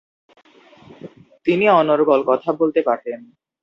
তিনি অনর্গল কথা বলতে পারতেন।